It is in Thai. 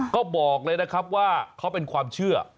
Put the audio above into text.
ก็บอกเลยนะครับว่าเขาเป็นความเชื่อ